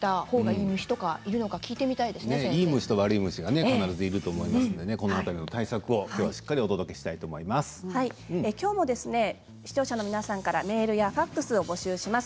いい虫、悪い虫がいると思いますので対策をしっかりきょうも視聴者の皆さんからメールやファックスを募集します。